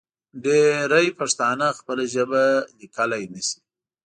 ډېری پښتانه خپله ژبه لیکلی نشي.